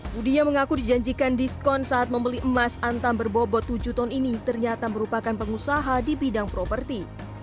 budinya mengaku dijanjikan diskon saat membeli emas antam berbobot tujuh ton ini ternyata merupakan pengusaha di bidang properti